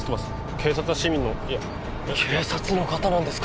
警察は市民のいや警察の方なんですか？